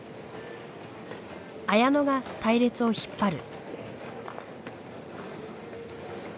綾乃が隊列を引っ張る。